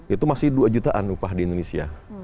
itu masih dua jutaan upah di indonesia